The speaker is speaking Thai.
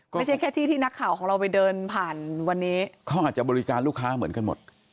ไม่ใช่แค่ที่ที่นักข่าวของเราไปเดินผ่านวันนี้เขาอาจจะบริการลูกค้าเหมือนกันหมด